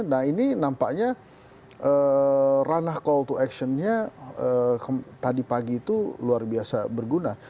nah ini nampaknya ranah call to action nya tadi pagi itu luar biasa berguna